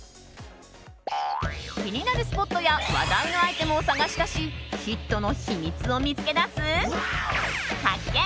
気になるスポットや話題のアイテムを探し出しヒットの秘密を見つけ出す発見！